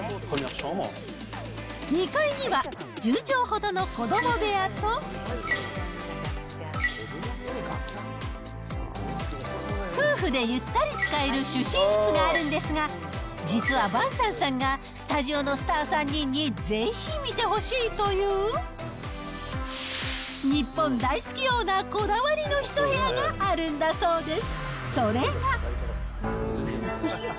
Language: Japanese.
２階には、１０畳ほどの子ども部屋と、夫婦でゆったり使える主寝室があるんですが、実はヴァンサンさんがスタジオのスター３人にぜひ見てほしいという、日本大好きオーナーこだわりの一部屋があるんだそうです。